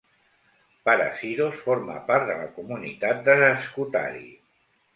Parasyros forma part de la comunitat de Skoutari.